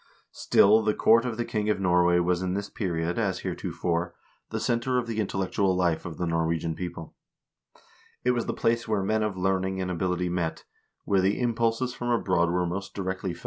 Still the court of the king of Norway was in this period, as heretofore, the center of the intellectual life of the Norwegian people. It was the place where men of learning and ability met, where the impulses from abroad were most directly felt, 1 Geschichte der Padagogik, erster teil, p.